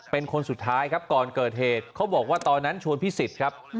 เป็นคนสุดท้ายครับก่อนเกิดเหตุเขาบอกว่าตอนนั้นชวนพิสิทธิ์ครับ